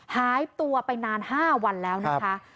หายตัวไปนาน๕วันแล้วนะคะ